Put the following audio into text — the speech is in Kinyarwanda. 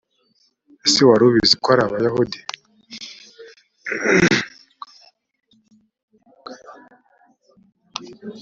ese wari ubizi kari abayahudi.